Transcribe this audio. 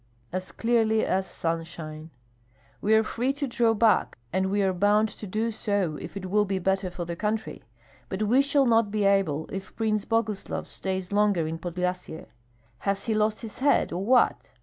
"As clearly as sunshine." "We are free to draw back, and we are bound to do so if it will be better for the country; but we shall not be able if Prince Boguslav stays longer in Podlyasye. Has he lost his head, or what?